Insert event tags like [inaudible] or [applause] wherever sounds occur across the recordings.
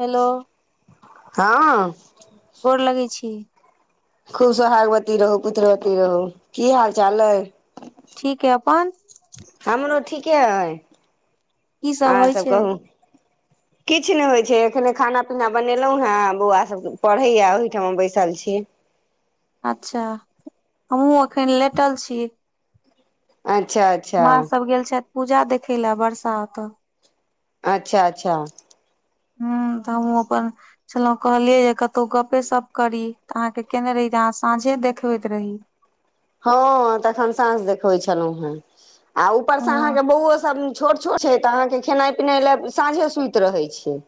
Hello हँ गोर लगै छी खुब सोहागवती रहू पुत्रवती रहू की हाल चाल अइ ठीक ह अपन हमरो ठीके हइ की आर होइ सब छै कहू किछु नय होइत छै एखने खाना पीना बनेलहुँ हेँ बौआ सभ पढ़ैए ओहिठाम बैसल छी अच्छा हमहुँ अखन लेटल छी अच्छा अच्छा माँ सब गेल छैथ पूजा देखे लए बरषा ओतऽ अच्छा अच्छा हूँ त हम अपन छलो कहलियै जे कतहु गपे सप करी तऽ अहाँके केने रही त अहाँ साँझे देखबैत रही हँ तखन साँस देखबै छलहुँ हेँ आ ऊपर ह से अहाँके बौओ सब छोट छोट छै तऽ अहाँके खेनाइ पिनाइ लए साँझे सुति रहै छिय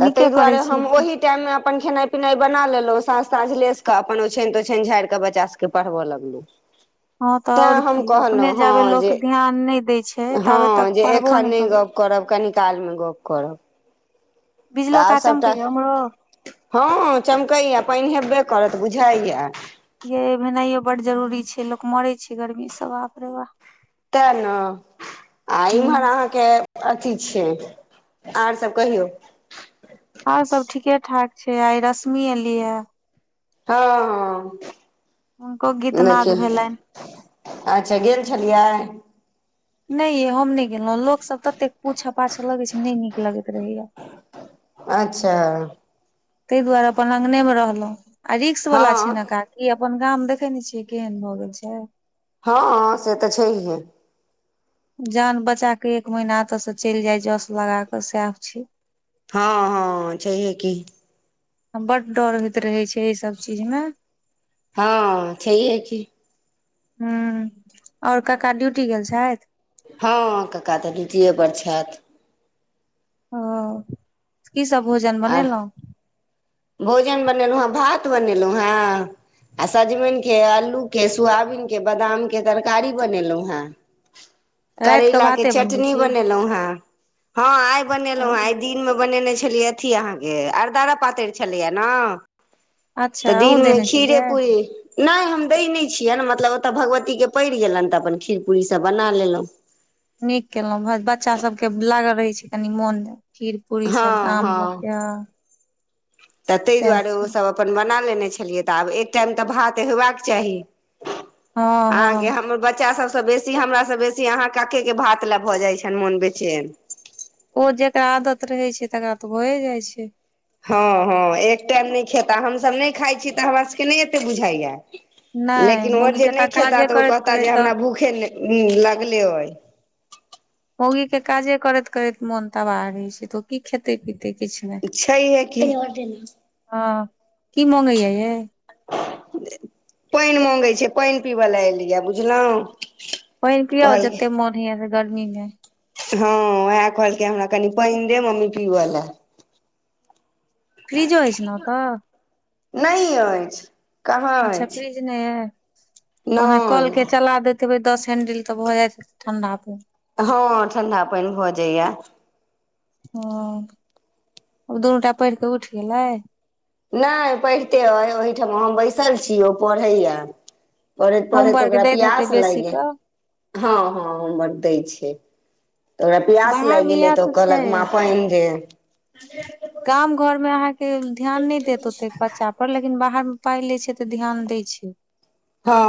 तऽ नीके ताहि दुआरे करै छी हम ओहि ओहि टाइममे अपन खेनाइ पिनाइ बना लेलहुँ साँझ ताँझ लेस कऽ अपन ओछान तोछान झाड़िऽ बच्चा सबके पढ़ब लग हँ तऽ [inaudible] तैँ और हम की अपने कहलहुँ जाबे हँ जे लोक ध्यान नहि दै छै हँ ताबे तक जे पढ़बो एकखर नहि नय करू गप करब कनी काल मे गप करब तऽ बिजलो आब का सभटा चमकैया उम्हरो हँ चमकैएा पाइन हेबे करत बुझाइया ये भेनाइयो बड जरूरी छै लोक मरे छै गर्मी सब बाप रे बाप ते ने आ इम्हर हूँ। अहाँके अथी छिय आर सब कहियौ आर सब ठीके ठाक छै आइ रश्मि एलियैे हँ हुनको हँ गीतनाद देखिय भेलनि अच्छा गेल छलियै नइ ये हम नइ गेलो लोक सब ततेक पूछ पाछ लगै छै नइ नीक लगैत रहैया अच्छा ताहि दुआरे अपन लंगने मे रहलहुं आ रिक्स वाला छै ने हँ काज ई अपन गाम देखे ने छियै केहन भए गेल छै हँ से तऽ छैहे जान बचा के एक महिना एत से चइल जाय जस लगा क सेह छै हँ हँ छैहे की बड डर होइत रहे छै ई सब चीज म हँ छै की ह और कका ड्यूटी गेल छैथ हँ कक्का तऽ ड्यूटीते पर छैथ ओ की सब भोजन आर बनेलो भोजन बनेलो हेँ भात बनेलो हेँ आ सजमनिे के आलू के सोयाबीनक के बादाम के तरकारी बनेलहुं हें [inaudible] करैला के भाते बनबै चटनी छी बनेलहुं हें हँ आइ बनेलहुँ हेँ आइ दी मे बनेने छलियै अथी अहाँके अरदारा पातरि छलैया ने तऽ अच्छा अहूँ दिनमे देने खीरे छलियै पूड़री नहि हम दै नहि छियैनि मतलब ओतय भगवतीके पड़ि गेलनि तऽ अपन खीर पूीसभ बना लेलहुँ नीक केलहुँ बच्चा सबके लागल रहै छै कनि मोन खीर पूीरी साथ हँ आम हँ तऽ [unintelligible] ताहि सएह दुआरे छी ओसभ बना लेने छलियै तऽ आब एक टाइम तऽ भात हेबाक चाही हँ हँ अहाँके हमर बच्चा सब बेसी हमर से बेसी अहाँ कके के भात लऽ भऽ जाइ छनि मोन बेचेन ओ जेकरा आदत रहै छै तकरा तऽ भए जाइ छै हँ हँ एक टाइम नहि खेता हमसभ नहि खाइ छी तऽ हमरा सभके नहि एतेक बुझाइया नहि लेकिन ओ मौगी जे के नहि खेता काजे तऽ ओ करैत कहता जे करैत तऽ हमरा भूखे लगले ओहि मौगी के काजे करैत करैत मोन तबाह रहे छै तो ओ की खेते पीे तेक किछ नहि छैये कि हँ की मगैया ये पइन मंगै छै पइन पीबय लए एलियै बुझलहुँ पइन पिउ कहलकै जते मोन होइय से गर्मी मे हँ उएह कहलकै हमरा कनि पइन दे मम्मी पीबऽ ले फ्रिजो अछि ने ओतऽ नहि अछि कहाँ अच्छा अछि फ्रिज नहि य ओना कल के नहि चला देते दस हेंडिल तऽ भऽ जायत ठंडा पाइन हँ ठंडा पानि भऽ जाइया ह ऊ दुनू टा पढ़ि कऽ उठि गेलै नहि पढ़िते अइ ओहिठमा हम बैसल छी ओ पढ़ैए पढ़ैत पढ़ैत होमवर्क ओकरा दैत हेतै प्यास लागि बेसी गेल कऽ हँ हँ ओतय छै तऽ ओकरा प्यास बाहर लागि मे गेलै इएह तऽ ओ छै कहलक मां पइन दे गाम घर मे अहाँके ध्यान नहि देत ओतेक बच्चा पर लेकिन बाहर मे पाइ लै छै त ध्यान दै छै हँ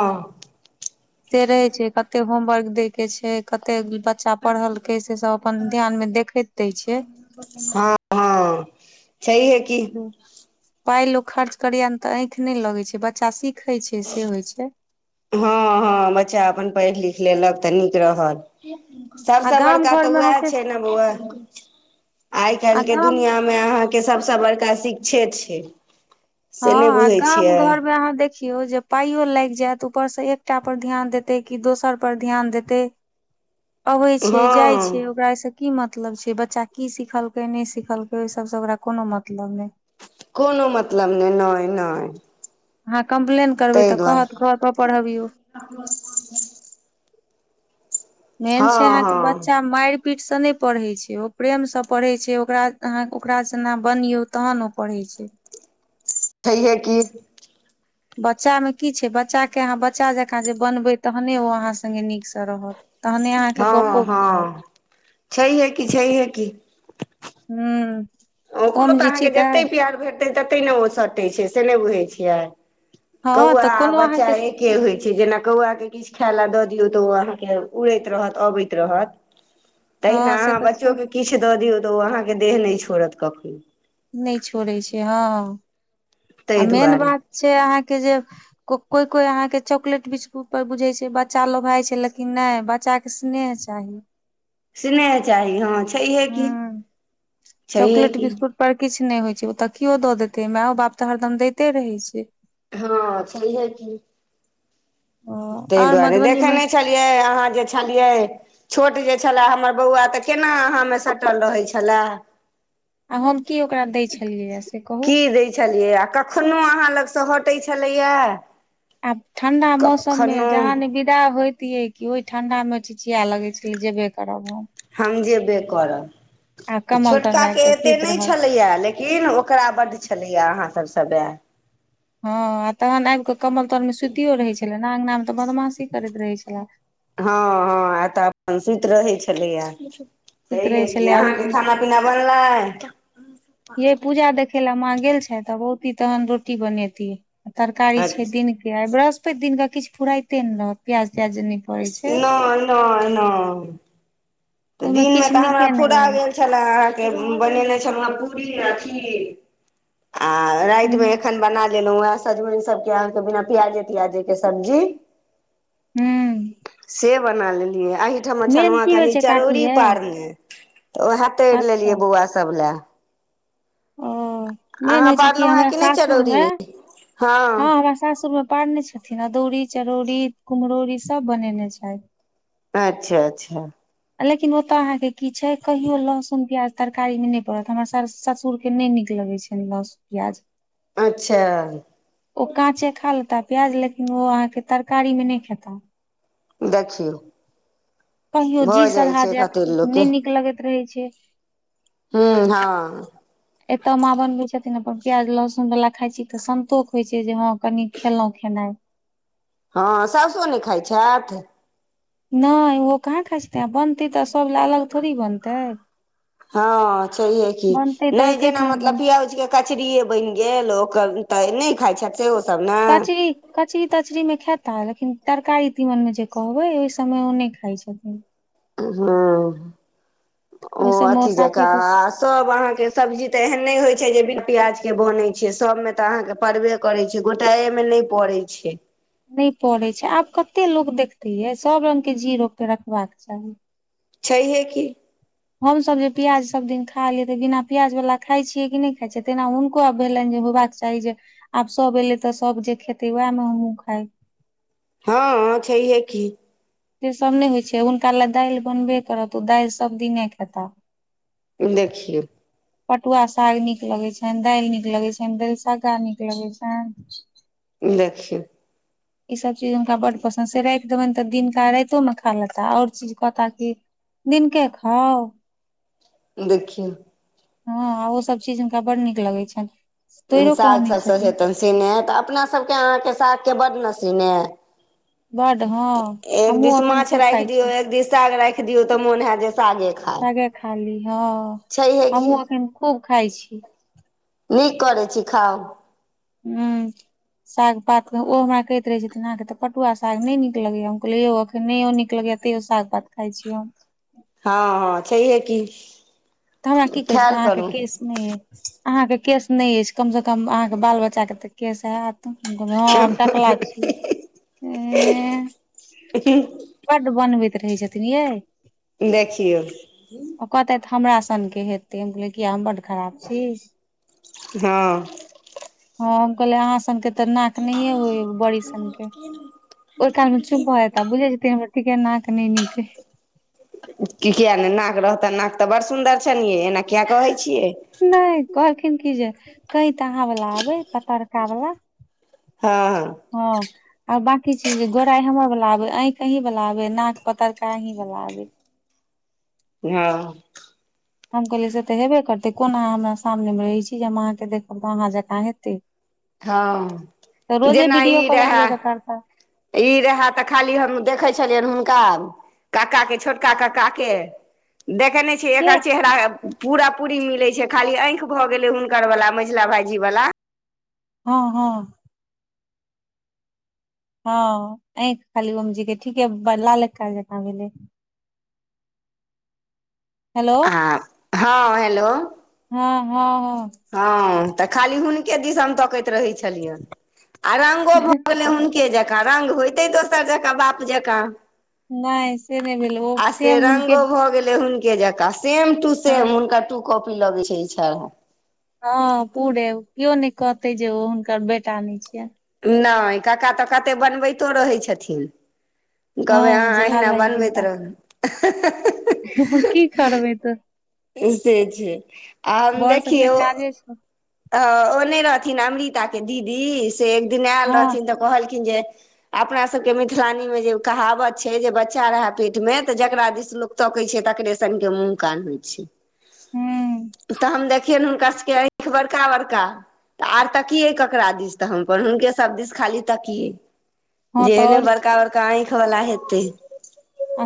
से रहै छै कतेक होमवर्क देय के छै कतेक बच्चा पढ़लकै से सभ अपन ध्यान में देखैत दयि छिय हँ छहिए कि पाइ लोक खर्च करैय ने तऽ आँखि नहि लगै छै बच्चा सिखे छै से होइ छै हँ हँ बच्चा अपन पढ़ि लिख लेलक तऽ निक रहल आ सबसे गाम बड़का घर तऽ मे उएह अहाँके छै ने बोआ आइ आ काल्हि के गाम दुनिया मे अहाँके सबसे बड़का शिक्षे छै से नहि आ बुझै गाम छियै घर मे अहाँ देख देखियौ जे पाइयो लागि जायत ऊपरसँ एकटा पर ध्यान देतै कि दोसर पर ध्यान देतै आबइ छै जाइ छै हँ ओकरा सँ की मतलब छै बच्चा की सिखलकै नहि सिखलकै ओहि सबसे ओकरा कोनो मतलब नहि कोनो मतलब नय नय नय अहाँ कम्प्लेन करबै तऽ कहत घर पर पढ़बियौ मेन छै हँ अहाँके बच्चा हँ माइर पीठस नै पढ़ै छै ओ प्रेमसँ पढ़ै छै ओकरा अहाँ ओकरासनक अहाँ बनियो तहन ओ पढ़ै छै छहिए की बच्चामे की छै बच्चाके अहाँ बच्चा जकाँ जे बनबै तहने ओ अहाँ सङ्गे नीकसँ रहत तहने अहाँके हँ गपो बुझायत हँ छहिए कि छहिए कि हूँ ओकरो ओम तऽ जी अहाँके ठीक जतै अइ प्यार भेटतै ततै ने ओ सटैत। छै से नै आहाँ बुझै छियै हँ कौआ तऽ आ कोनो बच्चा अहाँके एक के होइ छै जेना कौआके के किछु खाय लए दऽ दैछै तऽ ओ अहाँके उड़ैत रहत अबैत रहत [inaudible] तहिना अहाँ तऽ छै बच्चोके किछु दऽ दियौ तऽ ओ अहाँके देह नै छोड़त कखनो नै छोड़ै छै हँ आ ताहि मेन दुआरे बात छै अहाँके जे को कोई कोई अहाँ के चॉकलेट बिस्कुट पर बुझै छै जे बच्चा लोभाइ छै लेकिन नै बच्चा के स्नेह चाही स्नेह चाही हँ छहिए कि छहिए चॉकलेट कि बिस्कुट पर किछु नै होइ छै ओ तऽ कियो द देतै मायो बाप तऽ हरदम दैते रहै छै हँ छहि की ताहि आओर दुआरे मधुबनी देखै मे नय छलियै अहाँ जे छलियै छोट जे छलए हमर बौआ तऽ केना अहाँमे सटल रहै छलए आ हम की ओकरा दै छलियैया से कहु की दै छलियै आ कखनो अहाँ लगसँ हटै छलैया आब ठंडा मौसम मे जहाँ नै बी होइतियै कि ओहि ठंडा मे चिचिया लगै छलै जेबे करब हम हम जेबे करब आ ई कमल तर मे आबि छोटकाके कऽ एते सुति नै रहल छलैया लेकि की न ओकरा बड्ड छलैया अहाँसब स बए हँ आ तखन आबि कऽ कमल तरमे सुतियो रहै छलै ना अंगना मे तऽ बदमाशी करैत रहै छलेए हँ हँ आ एतऽ अपन सुति रहै छलैया सुइत छहिए रहे कि छलै आ उठ अहाँके खाना पीना बनलै यै पूजा देखै लए माँ गेल छैथ ओतिऽ तहन रोटी बनौती तरकारी छै नहि दिन के आई बृहस्पति दिन क किछु फुराइते नै रहत प्याज त्याज पड़ै छै नय नय नय तऽ ओहिमे दिनमे किछु तऽ हमरा नीके नहि फुरा लागै गेल छलए अहाँके बनेने छलुहए पूरी आ खीर आ राति मे हूं एखन बना लेलौं हाँ सजमनि सबके अहाँके बिना प्याजे त्याजे के सब्जी से बना लेलियै एहिठमा मेन छनुआ की होइ कनि छै काकी चरौरी यै तऽ उएह तैर लेलियै अच्छा बौआ सब लए ओ मेन अहाँ होइ छै कि पारलहुँ हेँ हमरा नहि सासुर चरौरी मे हँ हँ हमरा सासुर मे पार ने छ खीन अदौड़ी चरौड़ी कुम्हरौरी सब बनेने छैथ अच्छा अच्छा लेकिन ओत अहाँ के की छै कहियो लहसुन प्याज तरकारी मे नै पड़त हमर सर ससुर केेनै नीक लगै छनि लसु प्याज अच्छा ओ काँचे खा लेता प्याज लेकिन ओ अहाँके तरकारी मे नै खेता देखियौ कहियो जी भऽ जाइ सधा छै जायत कतेक लोकके नहि नीक लगैत रहै छै। हूँ हँ एतय माँ बनबै छथिन अपन प्याज लहसुन वाला खााय छी तऽ संतोष होइ छै जे हँ कनी खेलहुॅं खेनाइ हँ सासो नहि खाइ छथि नहि ओहो कहाँ खाइ छेथिन आ बनतै तऽ सभ लए अलग थोड़ी बनतै हँ छैहे की बनतै तऽ नहि जेना एकेठाम मतलब बनतै पियाउजके कचरीेये बनि गेल ओ तऽ नहि खाय छथि से सब ने कचरी कचरी तचरी मे खेता लेकिन तरकारी तीमन मे जे कहबै ओहि सभमे ओ ने खाइ छथि ह ओ ओहि सबमे अथी साफे जकाँरा आ सब अहाँके सब्जी तऽ एहन नहि होइ छै जे ब प्याजके बनै छै सभमे तऽ अहाँके परड़बे करै छै गोटाएमे नहि पड़ै छै नहि पड़े छै आब कते लोको देखते यै सब रंग के जी रोक के रखबाक चाही छैहे की हमसभ जे प्याज सभ दिन खा लियै तऽ बिना प्याजवला खाइ छियै कि नहि खाइत छियै तेना हुनको आब भेलनि जे चाही जे आब सब एले तऽ सब जे खेते वएह मे हमूँ खाइबे हँ छैहे की ' से सभ नहि होइ छै हुनका लए दाल बनबे करत ओ दाल सभ दिने खेताह देखि पटुआ साग नीक लगै छनि दाल नीक लगैत छनि दालस्गा नीक लगैत छनि देखिन [inaudible] ईसभ चीज हुनका बड्ड पसन्द से राति देबनि तऽ दिनका रातोमे खा लेता आओर चीज कहता कि दिनकनके खाउ देखि हँ ओ सभ चीज हुनका बड नीक लगै छै साग सब सो हेतनि [unintelligible] सीने हइ तऽ अपना सबके अहाँके सागके बड ने सीने हइ बड्ड हँ। एक हमहुँ दिस एखन माछ खूब राख खाइ दियौ छी एक दिस साग राखि दियौ तऽ मोन हय जे सागे खाय खाली हँ। छहिये की हमहुँ एखन खूब खाइ छीये नीक करै छी खाउ हँ। [inaudible] साग पात के ओ हमरा कहैत रहे छथिन अहाँके तऽ पटुआ साग नहि नीक लगैय हम कहलै यौ अखन नहि नीक लगै। तेयौ शाग भात खाइ छी हँ हँ छैहे की तऽ हमरा की कहै खायल छथिन अहाँके करू। केश नहि अहाँके केस नहि अछि कम से कम अहाँके बाल बच्चाके तऽ केस हयत हँ टकला छियै बड्ड बनबैत रहै छथिन ये देखियौ ओ कहतथि तऽ हमरा सनके हेतै हम कहलियै किया हम बड्ड खराब छी। हँ हँ कहले अाँङे [unintelligible] त नाक नहि होए बड़ी सन के ओहि काल मे चुप भ जेता बुझे छै तीन केे नाक नहि नीक छै कि कििया नहि नाक रहतनि नाक तऽ बड़ सुन्दर छनििये एना किया कहै छियै। नहि कहलखिन की जे कईत अहाँ वला आबे पतरका वालला हँ हँ। हँ। आ बाकी चीज गोराइ हमर वला आबे आँखि अहीं वला आबे नाक पतरका अहीं वला आबे। हँ। हम कहलियै से तऽ हेबे करतै कोन अहाँ हमरा सामने मे रहै छी जे हम अहाँके देखब तऽ अहाँ जकाँ हेतै। हँ तऽ रोजे जेना वीडियो ई कॉल एक रहै। बेर करता ई रहय तऽ खाली हम देखै छलियनि हुनका क्ाके छोटका कऽ काके। देख नहि। के एकर चेहरा पूरा पूरी मिले छै खाली आंखि भए गेले हुनकर वाला मझिला भाईजी वाला। हँ हँ। हँ ऐख खाली ओम जी के ठीके लाले कका जका भेलै। हेलो आ हँ हेलो। हँ हँ हँ हँ तऽ खाली हुनके दिस हम तकैत रहे छलियनि। आ रंगो भऽ गेलै एक जकाँ रंग होयते दोसर जकाँ बाप जकाँ नहि से नहि भेल ओ आ से सेम हुनके रंगो भऽ गेलै हुनके जका सेम टू हँ सेम हुनका टू कॉपी लगे छै इ छड़ा। हँ पूरे कियो नहि कहते जे ओ हुनकर बेटा नहि छियै नहि काका तऽ कतेक बनबैतो रहै छथिन। कहबै अहाँ हँ जे लाल अहिना भाईजी के बनबैत बेटा रहू की खराबै तऽ। से छै आ बड़ सबके देखियौ। काजे छै आ ओ ने रहथिन अमृताके दीदी से एक दिन आयल हँ रहथिन तऽ कहलखिन जे अपना सबके मिथिलानी में जे कहावत छै जे बच्चा रहे पेट में तऽ जेकरा दिसलो तोकै छऽ तकरे सने मुूँह कान होइ छै। हूँ तऽ हम देखियनि हुनका सभके आँखि बड़का बड़का तऽ आर तकियै ककरा दिस तऽ हम पर हुनके सभ दिस खाली तकियै हँ तऽ जेने आओर की बड़का बड़का ऐखवला हेतय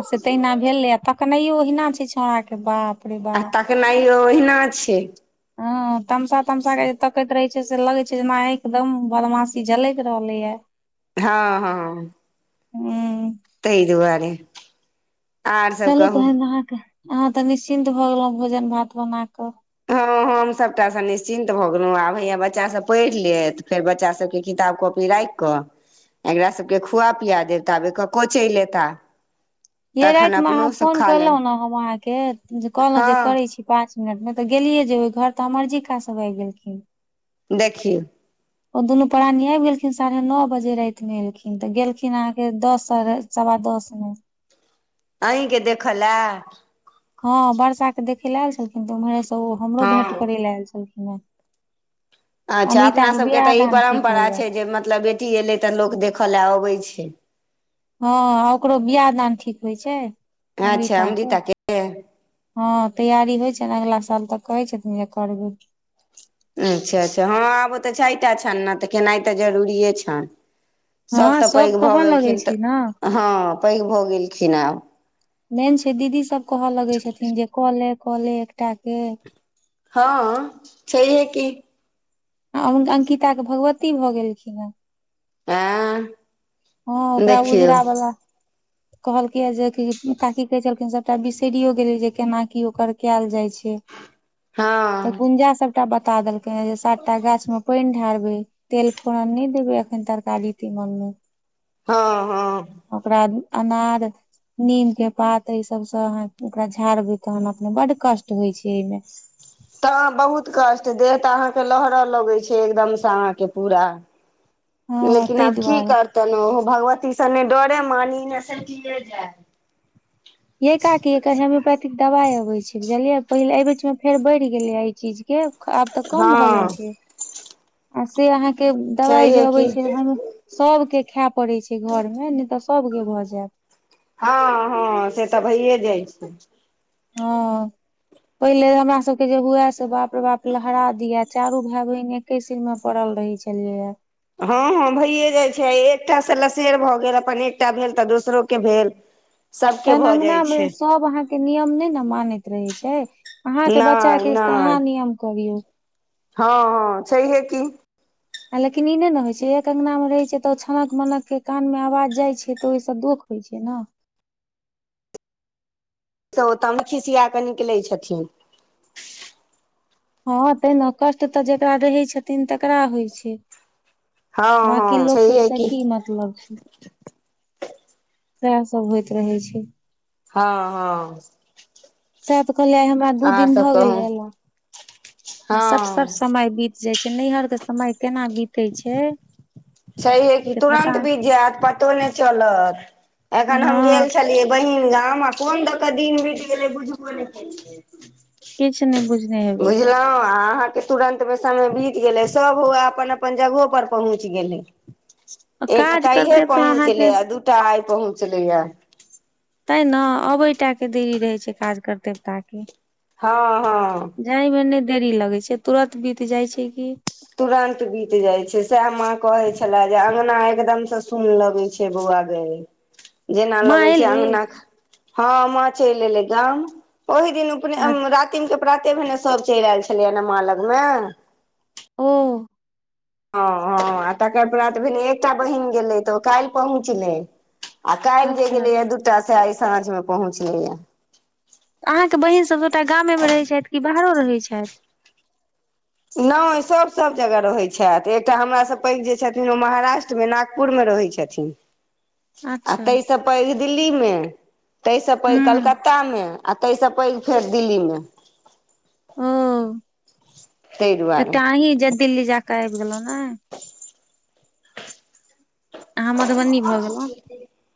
आ से तहिना भेलै आ तखनहियो ओहिना छै छौड़ाके बा आ तखनाइो ओहिना छै। हऽ तमसा तमसा ग तकैत रहे छै से लगे छै जेना एकदम बदमाासी जलक रहलेय। हँ हँ। हूँ तऽै दुआरे। आर सब चलू कहू तहन अहाँके अहाँ तऽ निश्चिन्त भऽ गेलहुं भोजन भात बना कऽ हँ हम सबटा सँ निश्चिन्त भऽ गेलहुँ आब हैया बच्चा सब पढ़ि लेत फेर बच्चा सबके किताब कॉपी राखि कऽ एकरा सबके खुआ पिया देब ताबे कको चेल ऐता ये राति मे अहाँ फोन करलहुं ने हम अहाँके जे कहलहुँ जे हँ करै छी पाँच मिनट मे तऽ गेलियए जेबै घर तऽ हमर्जी काऽ सब आबि गेलखिन देखियो ओ दुनू प्राणी आबि गेलखिन साढ़े नओ बजे राति मे एलखिन तऽ गेलखिन अहाँके दस साढ़े सवा दस मऽ अहींके देख लए हँ वर्षा के देखे लए आयल छलखिन तऽ उम्हरे स ओ हमरो भेंट हँ करै लए आयल छलखिन नय अच्छा अपना सब के तऽ ई परम्परा होइया छै जे मतलब बेटी एलै तऽ लोक देखऽ लए अबै छै हँ ओकरो बियाह दान ठीक होइ छै अच्छा अमृता के अमृताके हँ तैयारी होइ छैन अगिला साल तऽ कहै छथिन जे करबै अच्छा अच्छा हँ आब ओतऽ चारि टा छनि न तऽ केेनाइ तऽ जरूरिए छनि सब हँ तऽ पैघ भऽ कहऽ लगै गेलखिन छै ने तऽ- हँ पैघ भऽ गेलखिन आब मेन छै दीदी सब कहऽ लगै छथिन जे कऽ ले कऽ ले एकटा के हँ छैहे की अ हुनका अंकिता के भगवती भऽ गेलखिन हेँ आँय हँ ओकरा उजरा बला कहलकै या जे की काकी कहैे छलखिन सबटा बिसरियो गेलियै जे केना की ओकर कायल जाय छै तऽ हँ गुंजा सबटा बता देलकैया जे सातटा गाछ मे पानि ढारबै तेल फोड़न नय देबै एखन तरकारी तिमन मे हँ हँ ओकरा अनार नीम के पात इ सब स अहाँ ओकरा झारबै तहन अपने बड कष्ट होय छै अय मे तह बहुत कष्ट देह तऽ अहाँ के लहरऽ लगै छै एकदम से अहाँ के पूरा [inaudible] लेकिन ताहि आब की दुआरे करतन ओ भगवती सने डरे मानी ने स्टियरिंग जाय यय काकी एकर होेम्योपेथिक दवाई अबै छै बुझलियै पहिले एहि बीच मे फेर बढ़ि गेलय या ई चीज यऊ आब तऽ कम भऽ हँ जाइ छै आ से अहाँके दबाई जे छैहे अबै की छै घर मे सब के खायए पड़ैत छै घर मे नहि तऽ सब के भऽ जायत हँ हँ से तऽ भइए जाइ छै हँ पहिले हमरा सबके जे हुए से बाप रे बाप लहरा दिया चारू भाय बहिने ए सिरमा पड़ल रहै छलियै ए हँ हँ भयए जाय छै एकटा से लसेर भऽ गेल अपन एकटा भेल तऽ दोसरो के भेल [inaudible] सभके तन भऽ अंगना जाइ मे छै सब अहा नियम नहि ने मानैत रहे छै अहाँ के बच्चा नहि के तऽ नहि अहाँ नियम करियौ हँ हँ छैहै कि आ लेकिन ई नहि ने होइ छै एक अंगना मे रहैत छै तऽ ओ छनक मनक के कान मे आवाज जाइत छै तऽ ओहिसँ दोख होइ छै न त ओ तऽमे खिसिया कऽ निकलै छथिन हँ ते ने कष्ट तऽ जेकरा रहै छथिन तकरा होइ छै हँ बाकी हँ लोक के ओय छैहे स की मतलब छै सएह सब होइत रहे छै हँ हँ सै त कहलिय आय हमरा दू अहाँ दिन सब भए कहू गेले एलआ सट सट हँ समय बीत जाइ छैय नैहर के समय केना बीत छैहे कि से तुरन्त पता नहि। बीत जात पतो नहि चलत एखन हम गेल हँ छलियै बहिन गाम मऽ कोन दऽ कऽ दिन बीत गेलै बुझबो नहि केलिए किछ नहि बुझने हेबै तऽ अहाँ के तुरंत मे समय बीत गेले सब हुए अपन - अपन अपन जगहो पर पहुँच गेलै एक काज कालहे करते तऽ पहुँचले अहाँके आ दु दूटा आइ पहुँचलै या तैं नऽ आबैटा कऽ देरी रहैत छैय काज कर देवताके हँऽ हँऽ जाय मऽ नहि देरी लगे छैय तुरत बीत जाइ छैय की तुरंत बीत जाइ छैय सएह माँ कहे छले जे अंगना एकदम सऽ सुन लगैत छैय से बौआ गै [inaudible] जेना लगे छैय एली अंगना हँऽ माॅं चलि एलै गाम ओहि दिन अपने अच्छा रातिम के प्राते भेने सब चलि आयल छलैया नऽ माॅं लग मे ओ हॅं हॅं हॅं आ तकर प्रात भेने एकटा बहिन गेलै तऽ काल्हि पहुँचलै आ काल्हि जे अच्छा गेलेए दूटा से आइ साँझ में पहुँचले यए अहाँके बहिन सब सभटा गामेमे रहैत छथि कि बाहरो रहैत छथि नहि सभ सभ जगह रहैत छथि एकटा हमरा सऽ पैघ जे छथिन ओ महाराष्ट्रमे नागपुरमे रहैत छथिन त [unintelligible] आ अच्छा ताहिस पैघ दिल्ली मे ताहिस पैघ हूँ कलकत्ता मे आ ताहिस पैघ फेर दिल्ली मे ओ ताहि दुआरे एकटा अहीं जे दिल्ली जाकऽ आबि गेलहु ने अहाँ मधुबनी भऽ गेलौं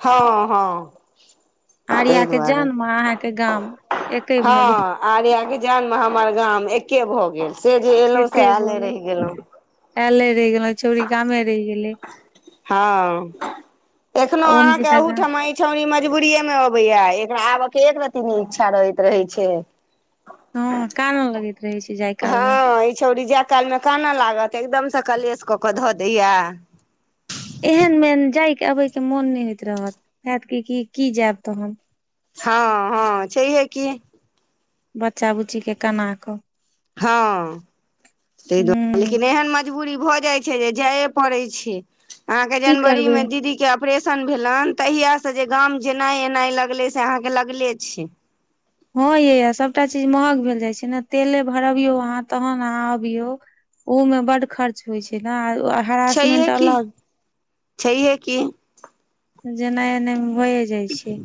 हँ हँ आर्या ताहि के दुआरे जन्म अहाँके गाम एके हँ भऽ गेल आर्या के जन्म हमर गाम एके भऽ गेल से जे एलहुं से एके भऽ आयले गेल रहि गेलहु आयले रेह गेलौ छौड़ी गामे रेह गेलै हँ एखनो आ अहाँके ओमजीका गाम अहुठमा इ छौड़ी मजबूरीेये में अबेया एकरा आब कऽ एक रती ने इच्छा रहैत रहे छैय हँ कानऽ लगै रहै छैय जायक हँ ई छौड़ी जाय कालमे कानऽ लागत एकदमसँ कलेश कऽ कऽ धऽ दैया एहन मे जायके अबे के मोन नहि होइत रहत हेत कि की की जायब तहन हँ हँ छैहे कि बच्चा बुच्ची के कना कऽ हँ ताहि दुआरे हूँ लेकिन एहन मजबूरी भऽ जाइत छैय जे जाइए पड़ै छैय अहाँके की जनवरी करबै मे दीदी के ऑपरेशन भेलनि तहियास से जे गाम जेनाइ एनाइ लगलै से अहाँके लगले छैय हँ येय सभटा चीज महग भेल जाइ छैय नऽ तेले भरबियौ अहाँ तहन अहाँ अबियौ उऽ में बड खर्च होइ छैय नऽ हारासमेंट छैहे की अलग छैहे की जेनाय एनाय मऽ भए जाइ छैय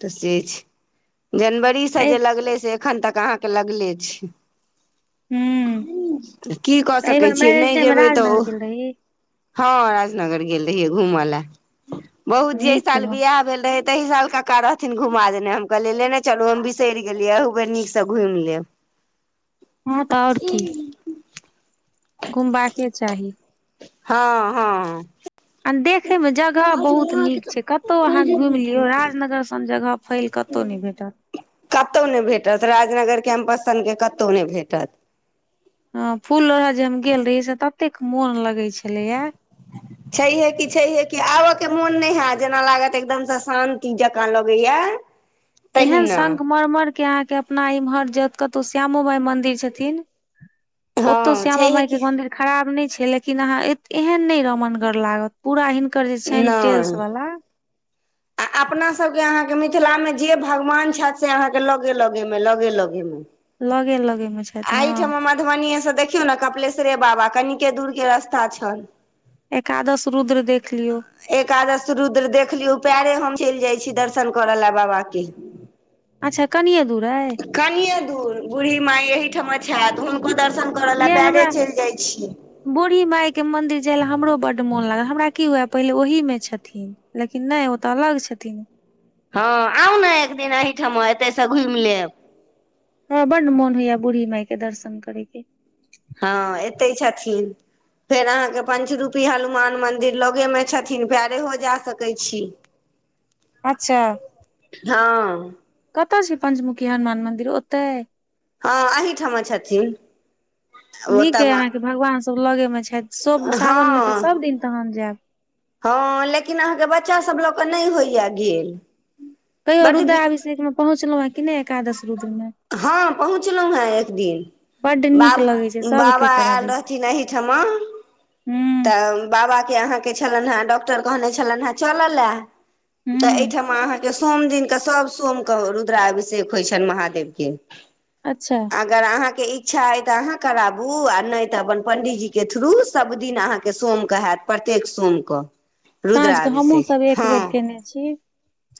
तऽ से छैय जनवरी सँ एहि जे लगलै से एखन तक अहाँके लगले छैय तऽ की कऽ तऽ एहि सकै बेर छियै मैरेज नहि डे में जेयबै तऽ ओ राजनगर गेल रही हँ राजनगर गेल रहियै घूम लऽ बहुत जे नीक साल केलहुँ बियाह तऽ तहि साल कका रहथि घुमा देने हम कहलियै लेने चलू हम बिसैर गेलियै अहू बेर नीक सँ धुइम लेब हँ तऽ आओर की घुमबा केँ चाही हँ - हँ आ देखे मे जगह बहुत नीक छैय कतहु अहाँ घुमि लियौ राजनगर सन जगह फैल क तौ नय भेटल कतहु नय भेटत राजनगर कैम्पस सनके कतहु नय भेटत हँ फूल लोढ़ जे हम गेल रहियै से ततेक मोन लगै छलै ये छैहे कि छैहे कि आबऽ केँ मोन नय हैत जेना लागत की एकदम सँ शान्ति जेकाँ लगै यऽ एहेन संखमरमर केँ अहाँकेँ अपना इमहर जै तऽ कतौ श्यामो माय मंदिर छथिन हँ ओतौ श्यामा छैहे मााय कि केँ मन्दिर खराब नय छैय लेकिन अहाँ एत एहेन नय रमनगर लागत पूरा हिनकर जे छैन टेल्स नहि वाला आ अपना सब केँ अहाँकेँ मिथिला मे जे भगवान छैथ से अहाँकेँ लगे - लगे मे लगे - लगे मे लगे - लगे मे छैथ अहिठमा मधुबनीे सँ देखियौ नऽ कपिलेश्वरे बाबा कनिके दूर केँ रस्ता छैन एकादश रुद्र देख लियौ एकादश रुद्र देख लियौ पैरे हम चैल जाय छी दर्शन करऽ लऽ बाबा केँ अच्छऽ कनिये दूर अइ कनिये दूर बूढ़ी माय एहिठमा छैथ हुनको दर्शन करऽ लऽ यै पैरे हमरा चैल जाय छी बूढ़ी माय केँ मन्दिर जाय लऽ हमरो बड्ड मोन लागल हमरा की हुये पहिले ओहिमे छथिन लेकिन नय ओ तऽ अलग छथिन हँ आउ नऽ एक दिन अहिठमा एतय सँ घुइम लेब हमरा बड्ड मोन होइ यऽ बूढ़ी माय केँ दर्शन करै केँ हँ एतै छथिन्ह फेर अहाँकेँ पंचरूपी हनुमान मंदिर लगे मे छथिन्ह पाइरेहो जा सके छी अच्छऽ हँ कतऽ छैय पंचमुखी हनुमान मन्दिर ओतैय हँ अहिठमा छथिन्ह ओतऽ म तब लगे मे छैथ सब सावन मे तऽ सभ हँ दिन तहन जैब हँ लेकिन अहाँकेँ बच्चा सभ लऽ कऽ नय होइ यऽ गेल तैयो बड रुद्राभिषेक मे पहुचलहुँ हे कि नय एकादश रुद्र मे हँ पहुँचलहुँ हे एक दिन बड्ड नीक बाप लगै छै सबके बाबा करऽ आयल दै छै रहथिन अहिठमा हूँ तऽ बाबा केँ अहाँ केँ छलैन हे डॉक्टर कहने छलाव हे चलऽ लऽ तऽ हूँ अहिठमा अहाँकेँ सोम दिन कऽ सभ सोम कऽ रुद्राभिषेक होइ छैन महादेव केँ अच्छऽ अगर अहाँकेँ इच्छा एय तऽ अहाँ कराबू आ नय तऽ अपन पंडीजी केँ थ्रू सब दिन अहाँ केँ सोम कऽ हैत प्रत्येक सोम कऽ साँझ के हमहुँ रूद्राभिषेक सब एक हँ बेर केने छी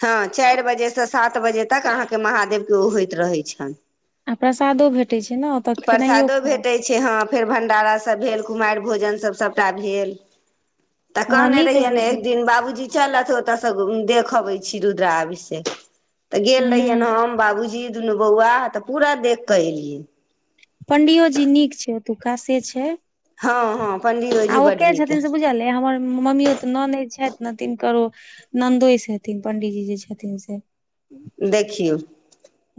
हँ चाइर बजे सँ सात बजे तक अहाँकेँ महादेव केँ ओ होइत रहै छैन आ प्रसादो भेटैय छैय नऽ ओतऽ खेनाइयो खाउ छैय हँ फेर भंडारा सब भेल कुमाइर भोजन सभ सभटा भेल तऽ हँ कहने नीक रहियैन्ह ने लगैत एक रहै छै दिन बाबूजी चलऽ तऽ ओतऽ स देख अबय छी रुद्राभिषेक तऽ गेल रहियैन्ह हूँ हम बाबूजी दुनू बौआ तऽ पूरा देख कऽ एलियै पंडियो जी नीक छैय ओतुका से छैय हँ हँ पंडियोजी आ ओ बड्ड के नीक छथिन से बुझलेय हमर ममियौत ननैद छथि नऽ तिनकर ओ नन्दोसि हेथिन्ह पंडीजी जे छथिन्ह से देखियौ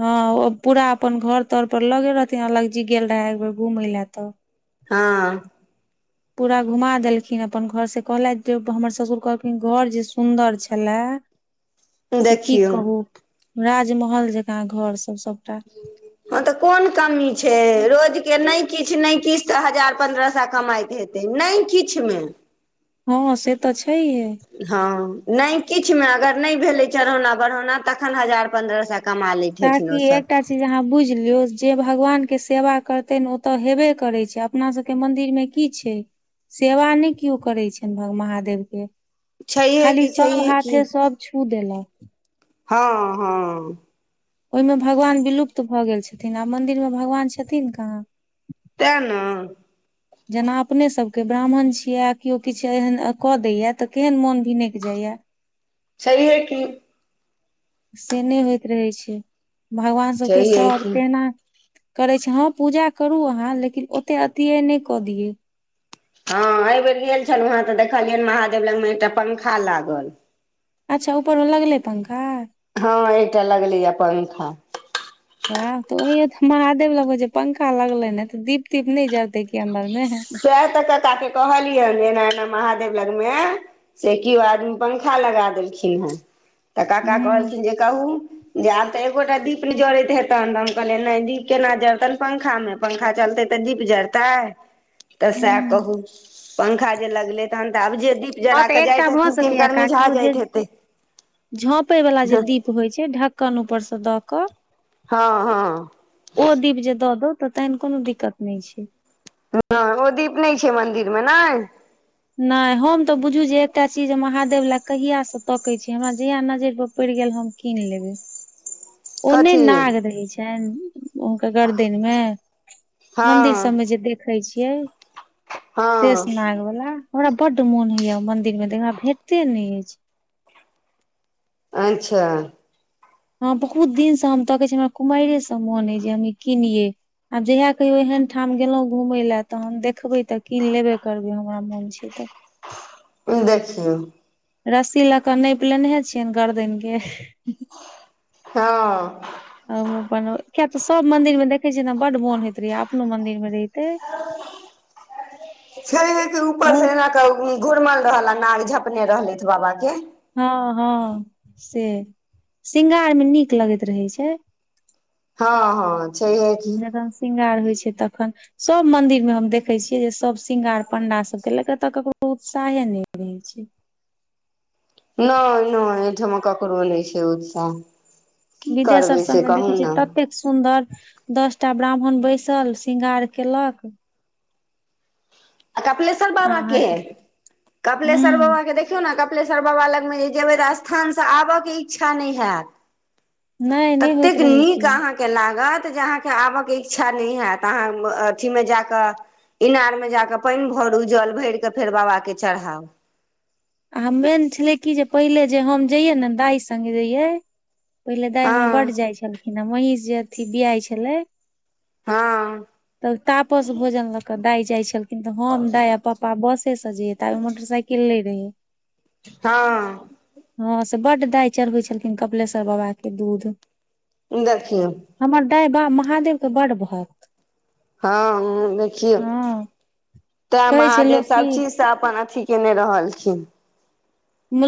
हँ ओ पूरा अपन घर तर पर लऽ गेल रहथिन अलख जी गेल रहे एक बेर घूमय लऽ तऽ हँ पूरा घुमा देलखिन अपन घर से कहलथि जे हमर ससुर कहलखिन घर जे सुंदर छलेय। से की देखियौ कहू राजमहल जकाँ घर सब सभटा हँ तऽ कोन कमी छै रोजके नहि किछु नहि किछु तऽ हजार पन्द्रह सए कमाइत हेतै। तऽ नहि किछुमे हँ से तऽ छैहे। हँ नहि किछु मे अगर नहि भेले चढ़ौना बढ़ौना तखन हजार पन्द्रह सए कमा लेत। काकी एकटा अहाँ बुझि लियौ जे भगवान के सेवा करते नऽ ओ तऽ हेबे करै छै अपना सबके मंन्दिर मे की छै सेवा नहि केओ करै छनि भग महादेव के छैहे खाली कि सभ छैहे कि हाथे सभ छू देलक। हँ हँ ओहिमे भगवान विलुप्त भऽ गेल छथिन आ मन्दिरमे भगवान छथिन कहाँ। तेँ नऽ जेना अपनेसभके ब्राह्मण छियै आ किओ किछु एहन कऽ दैए तऽ केहन मोन भिनकि जाइए। सेहै की। से नहि होइत रहै छै भगवान सभके छैहे कि सभ केना करै छै हँ पूजा करू अहाँ लेकिन ओते अतियै नहि कऽ दियै। हँ एहि बेेर गेल छलहु हेँ तऽ देखलियनि महादेव लग मऽ एकटा पंखा लागल। अच्छा ऊपरमे लगलै पंखा। हँ एकटा लगलैय पंखा। वाह तऽ ओहिऽ महादेव लगमे जे छै पंखा लगले ने तऽ दीप तीप नहि जरते की अंन्दर में है। सेहे तऽ ककाके कहलिय एना एना महादेव लगमे से केओ आदमी पंखा लगा देलखिन हेँ तऽ काका हूँ कहलखिन जे कहू जे आब तऽ एकोटा दीप ने जड़ैत हेतनि तऽ हम कहलियै नहि दीप केना जड़तनि पंखा मे पंखा चलते तऽ दिप जरतैऐ। तऽ सेहे हूँ कहु पंखा जे लगलै तहन तऽ आब जे दीप हँ जरा तऽ कऽ एकटा जाइत हेथिन तिनकर मिझा जाइत हेतै। झाँपयवला जे दीप होइछै ढक्कन ऊपरसँ दऽ कऽ हँ हँ ओ दीप जे दऽ दो तऽ तहन कोनो दिक्कत नहि छै। नहि ओ दीप नहि छै मन्दिर मे नहि। नहि हम तऽ बुझू जे एकटा चीज महादेव लए कहियासँ तकै छी हमरा जहिया नजरि पर पड़ि गेल हम कीन लेबै। ओनय कथी नाग रहै छनि। ओके गरदन मे मदिर हँ सब में जे देखे छियै। शेष हँ नाग वला हमरा बड्ड मोन होइया मन्दिर मे तऽ हमरा भेटते नहि अछि। अच्छा हँ बहुत दिनसँ हम तऽ कहै छ हमरा कुमरेसँ मोन अइ जे हम ई कनियै आब जहिया कहियौ एहन ठाम गेलहुँ घूमय लेए तखन देखबै तऽ की लेबे करबै हमरा मोन छै तऽ देखियौ। रस्सी लऽ कऽ नैप लेनेहे छिये गर्दन केँ। हँ। [unintelligible] अपन किया तऽ सब मंदिर मे देखे छियै ने बड मोन होइत रहै अपनो मंदिर मे रहिते। [unintelligible] छै हे ऊपर से मोन एना कऽ घुरमल रहल आ नाग झपने रहलेथ बाबा के हँ हँ से श्रृगारमे नीक लगैत रहै छै। हँ हँ। छैहे की जखन श्रृंगार होइ छै तखन सब मंदिर मे हम देखे छियै जे सब श्रृंगार पंडा सब के लेके एतऽ ककरो उत्साहे ने रहे छै नहि नहि अहिठाम ककरो नहि छै उत्साह की विदेश आर करबै से सबमे देखै कहू छियै ने ततेक सुन्दर दस टा ब्राह्मण बैसल शृंगार केलक कपिलेश्वर आ बाबा के अहाँके है कपिलेश्वर हूँ बाबा के देखे देखियौ ने कपिलेश्वर बाबा लगमे जे जेबै तऽ स्थानसँ आबयके इच्छा नहि होयत नहि नहि होइत ततेक रहै नीक छै अहाँके के लागत जे अहाँके आबयके इच्छा नहि होत अहाँ अथि मे जाके इनार मे जाके पानि भरू जल भर कऽ फेर बाबा के चढ़ाउ आ ह मेन छलै कि जे पहिले जे हम जैयै ने दाइ सगे जैयै पहिले दाइ हमर बड हँ जाइत छलखिन हे महीष जे अथी बियाइ छलै हँ तब तापस भोजन लऽ क दाइ जाइ छलखिन तऽ हम दाइ पपा पा बस से जाइये तबी मोटर सईकल ने रहे हँ हँ से बड़ दाइ चढ़बै छलखिन कपिलेश्वर बाबा के दूध देखि हमर दाय बा महादेवके बड भगत। हँ देखियौ हँ तै कहै छै महादेव लोक कि सबचीज अपन अथी केने रहल अछि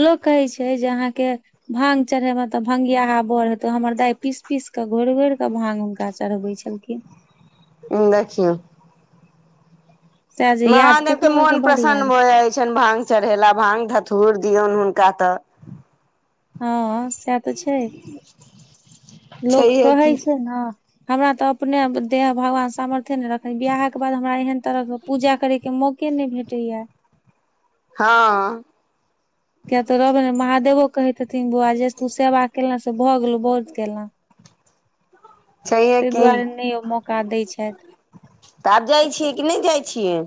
लोक कहै छै जे अहाँके भांग चढ़ेबे मे तऽ भंगिया बर हेतो हमर दाय पीस पीस के घोर घोर कऽ भांग उनका। का चढ़बै छलखिन। देखियो सएह जे याद महादेव के कखनो कालके मोन बड प्रसन्न याद भऽ जाइ छनि भांग चढ़ेला भांग धतुर दियऔन हुनका तऽ हँ सएह तऽ छै छैयै की। हँ। [unintelligible] हमरा तऽ अपने देह भगवान सामर्थ्य कथे ने रखै बियाह के बाद हमरा एहन तरह के पूजा करे के मौके नहि भेटेत या हँ किया तऽ रहबे ने महादेवो कहैत हेथिन बौआ जे तू सेवा केल से भऽ गेलहु बहुत केला छैहे ताहि की दुआरे नहि ओ मौका दै छै जाइ छियै कि नहि जाइ छियै।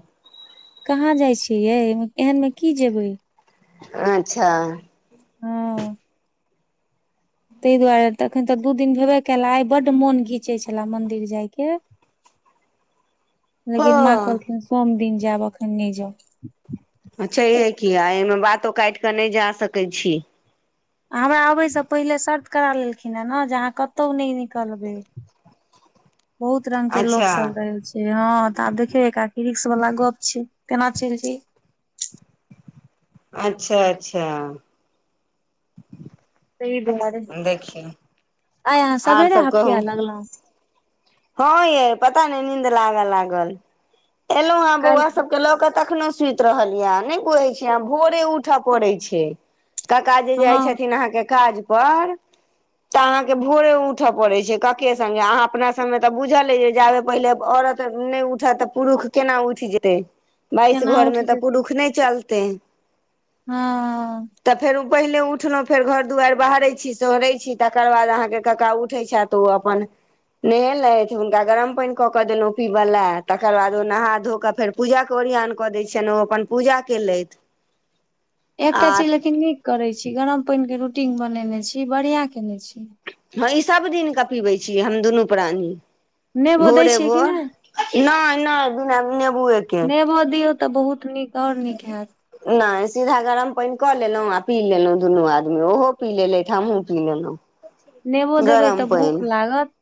कहाँ जाइ छिये यै एहन मे की जेबे। अच्छा हँ ताइ दुआरे तऽ एखन तऽ दू दिन भेबे केले आइ बढ़मोन घीचे छलाे मंदिर जाय के लेकिन माँ हँ कहलखिन सोमदिन जाब अखन नय जाउ अच्छाहे किया एहिमे बातो काटि कऽ नय जा सकैत छी हमरा अबयसँ पहिले शर्त करा लेलखिन है ने जे अहाँ कतहु नय निकलबै बहुत रंग के लोक अच्छा सब रहै छै हँ तऽ आब देखिय ये काकी रिकश वाला गप छै केना चल जेये अच्छा अच्छा अच्छा [inaudible] ताहि दुआरे देखियौ आइ यह आर सबेरे सब हफिया कहू लगलहु हँ ये पता नय नींन्द लागल लागल एलहु हें बौआ काल्हि सबके लऽ के तखनो सइत सुत रहल या नइ बुझै छियाँ भोरे उठय पड़ै छै काका जे जाय हँ छथिन अहाँके काज पर तऽ अहाँके भोरे उठय पड़ैत छै कके संगे अहाँ अपना सबमे तऽ बुझल हे जे जाबे पहिले औरत नय उठत तऽ पुरुष केना उठ जेतै बाइस केना घरमे उठि तऽ जेतै पुरुष नय चलतै हँ तऽ फेर ओ पहिले उठलहुँ फेर घर दुआरि बहारै छी सोहरैत छी तकर बाद अहाँके कक्का उठैत छथि तो अपन नहेलेथ हुनका गरम पानी कऽ कऽ देलहुँ पीबय लए तकर बाद ओ नहा धो कऽ फेर पूजाके ओरियान कऽ दै छियेन ओ अपन पूजा केलथि [inaudible] आ एकटा चीज लेकिन नीक करैत छी गरम पानिके रूटीन बनेने छी बढ़िआँ कने छी हँ ई सभ दिनके पीबै छी हम दुनू प्राणी नेबो दै छियै कि भोरे-भोर नहि नय नय बिना नेबूए के नेबो दियौ तऽ बहुत नीक और नीक होयत नय सीधा गरम पानि कऽ लेलहुँ आ पी लेलहुँ दुनू आदमी ओहो पी लेलथि, हमहुँ पी लेलहुँ नेबो देबै तऽ गरम भूख पाइन लागत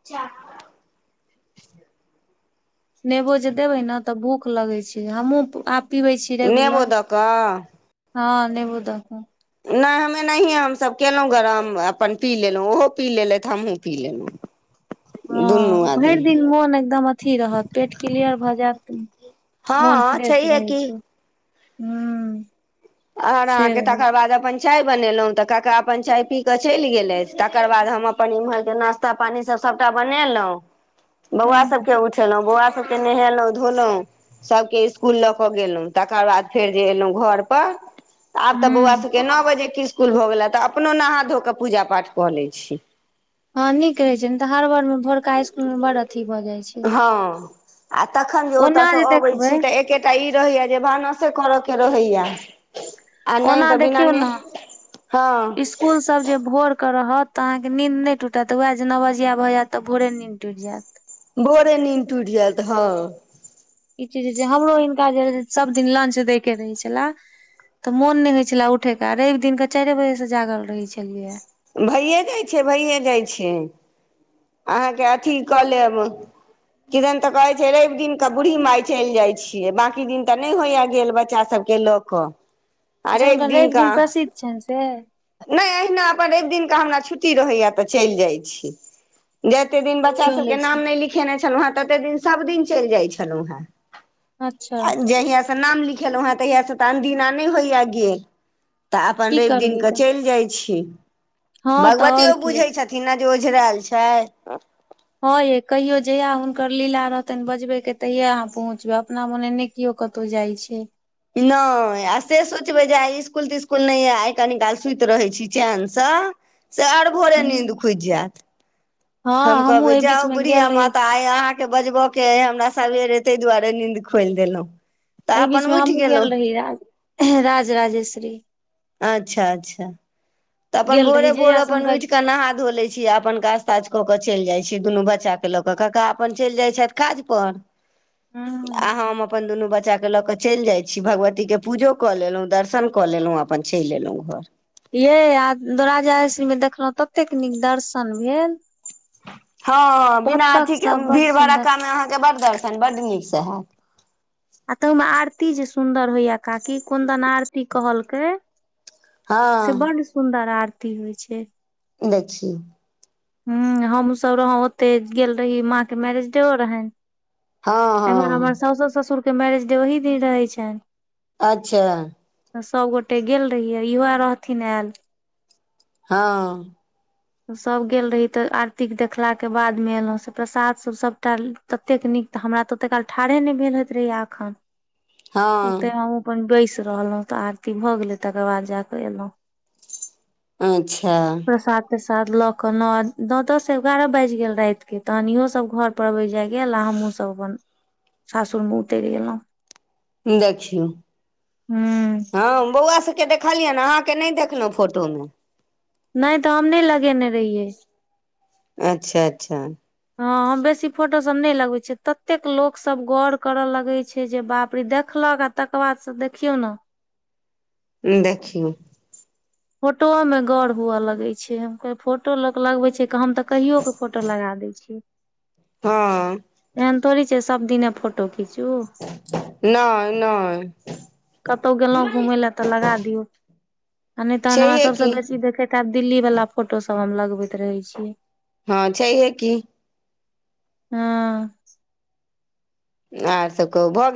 नेबो जे देबै ने तऽ भूख लगै छै हमहूँ आब पीबै छी नेबो रेगुलर दऽ कऽ हँ नेबो दऽ कऽ नय हम एनाहिए हमसभ केलहुँ गरम अपन पी लेलु ओहो पी लेलथि, हमहूँ पी लेलहुँ [inaudible] दुनू हँ भइर दिन आदमी मोन एकदम अथी रहत पेट क्लियर भऽ जायत मोन हँ फ्रेश छैहे रहै की छै हँ आर आरके तकर बाद अपन चाय बनेलहुँ तऽ कका अपन चाय पी कऽ चलि गेलेथ तकर बाद हम अपन एम्हरके नाास् ता-पानी सब, सबटा बनेलहुॅं बौआ सब हूँ के उठेलहुॅं, बौआ सब सब के नहेलह, धोलहुं सबके स्कूल लऽ के गेलहुं तकर बाद फेर जे एलहुं घर प आब तऽ बौआ हूँ के नओ बजेके इसकुल भऽ गेलै तऽ अपनो नहा धो कऽ पूजा पाठ कऽ लै छी हँ नीक रहैत छै ने तऽ हर बर मे भोरका इस्कुल मे बड अथी भऽ जाइत छै हा, अ तखन जे ओता ओना से आबे देखबै छी तऽ एक ए तऽ ई रहैया जे भानस करऽ के रहैया आ नहि ओना त बिना देखियौ नेह ने हँ स्कूल सब जे भोर केऽ रहत तऽ अहाँकेँ नीद नहि टूटत। वएह जे नवबजिया भऽयत तऽ भोरे नींद टुटि जायत भोरे नींद टूटि जायत, हँ ई चीज जे हमरो हिनका जे सभ दिन लंच दय के रहै छले तऽ मोन नहि होइ छले उठे के। रवि दिन के चारिे बजे से जागल रहै छलियै भइए जाइ छै, भइए जाइ छै। अहाँके अथी कऽ लेब किरन ते कहे छै रवि दिन के बूढ़ी माय चलि जाय छिये। बाँकी दिन तऽ नहि होया गेल बच्चा सब के लऽ कऽ आ अच्छा रवि हुनकर रेब दिनका दिन प्रसिद्ध छनि से नहि, अहिना अपन एक दिनके हमरा छुट्टी रहैए तऽ चलि जाइ छी जते दिन बच्चा घुमियो सभके लै नाम छी नहि लिखेने छलहुँ हेँ तते दिन सभदिन चलि जाइत छलहुँ ह अच्छा आ जहियासँ नाम लिखेलहुँ हेँ तहियासँ तऽ अनदिना नहि होइए गेल तऽ अपन की रवि करबै दिनके तऽ चलि जाइ छी हँ तऽ आओर भगवतियो की बुझै छथिन ने जे ओझराल छै हँ ये, कहियो जहिया हुनकर लीला रहतनि बजबे के तहिया अहाँ पहुँचबै अपना मने नीक कीओ कतहु जाइ छै नय, आ से सोचबै जे आइ इस्कुल-तिस्कुल नहि यए आइ कनि काल सुति रहैत छी चेनसँ से आर भोरे नींद खुजि जायत। हम हँ हमहुँ कहबे एहि बीच जाउ मे बुढ़िया गेल रही माता आय अहा के बजबो के हमरा सबेरे ताहि दुआरे नींद खोलि देलहुं एहि बीच मे हमहुँ गेल रही राज, राजराजेश्वरी अच्छा, अच्छा। तऽ अपन गेल रही भोरे-भोर जहिया से अपन हुनका उठ के नहा धो ले छ छि। अपन काज-ताज कऽ के चलि जाइ छी। दुनू बच्चा के लऽ कऽ कका अपन चलि जाय छथि, काज पर [inaudible] आ हम अपन दुनू बच्चा के लऽ कऽ चलि जाइ छी भगवतीके पूजो कऽ लेलहुँ दर्शन कऽ लेलहुँ अपन चलि एलहुँ घर। ये आय द राजा्श्री मे देखलहुँ ततेक नीक दर्शन भेल। हँ बिना बतक अथीके सब बड भीड़ सुंदर भड़क्कामे अहाँके बड्ड दर्शन बड्ड नीकसँ हैत। आ तऽ ओहिमे आरती जे सुंन्दर होइया काकी कोनदन आरती कहलकै से हँ बड्ड सुन्दर आरती होइ छै। देखि। ह हम सब रहौ ओतै गेल रही माँ के मैरेज डेओ रहनि। हँ एमहर हमर हँ साउसो ससुरके मैरेज डे ओही दिन रहै छनि। अच्छा त सभगोटे गेल रहियै इहोह रहथिन आयल। हँ सभ गेल रही तऽ आरतीके देखलाके बादमे एयलहुँ से प्रसाद सभ सभटा ततेक नीक तऽ हमरा तऽ ओते काल ठाढ़े नहि भेल होइत रहैया एखन ते हँ म अपन बैसि रहलहुँं तऽ आरती भऽ गेले तकर बाद जाके एलहुँ। अच्छा प्रसाद प्रसाद लऽ के न नौ दस एगारह बाजि गेल राति के तहन इहो सब घऽर जाबै जाय गेल आ हमहहुँ सब अपन सासुर मे उतरि गेलहुँ। देखीयौ हूँ हँ बौआ स के देखलियैन अहाँ के नहि देखलहु फोटो मे नहि तऽ हम नहि लगेने रहियै। अच्छा अच्छा हँ हम बेसी फोटोसभ नहि लगबैत छै ततेक लोकसभ गौर करऽ लगैत छै जे बाप रे देखलक आ तकर बाद से देखियौ नऽ देखयू। फोटोओ मे गौर हुअऽ लगे छै हम फोटो लोक लगबे छैक हम तऽ कहियो के फोटो लगा दै छीय। हँ एहन थोड़े छै सभदिने फोटो खीचू। नहि नहि कतहु गेलहुँ घुमय लए तऽ लगा दियौ। आ नहि तहन हमरा छैहे सबसे की बेसी देखैत हाऽब दिल्ली वला फोटो सब हम लगबैत रहै छीयै। हँ छैहे की। हँ आर सब कहू भऽ।